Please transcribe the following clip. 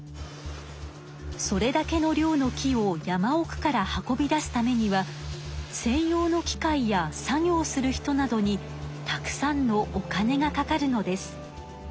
それだけの量の木を山おくから運び出すためには専用の機械や作業する人などにたくさんのお金がかかるのです。